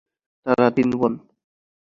তারা তিন বোন।